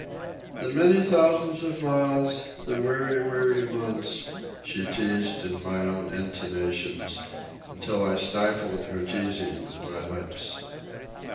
"The many thousands of miles, the weary, weary months," she teased in my own intonations, until I stifled her teasing with my lips.